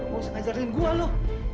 lu sengajarin gua lu